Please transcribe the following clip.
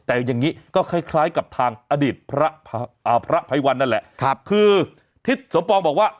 แต่อย่างนี้ก็คล้ายกับทางอดีตพระภัยวันนั่นแหละคือทิศสมปองบอกว่า